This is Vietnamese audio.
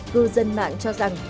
cư dân mạng cho rằng